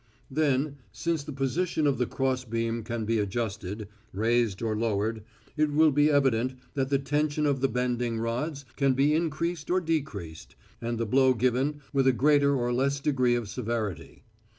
Then, since the position of the cross beam can be adjusted, raised or lowered, it will be evident that the tension of the bending rods can be increased or decreased, and the blow given with a greater or less degree of severity.